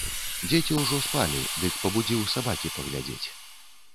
Дзеці ўжо спалі, дык пабудзіў сабакі паглядзець.